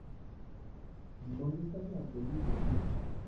Monica ntabwo yize byinhi